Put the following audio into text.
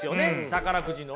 宝くじのね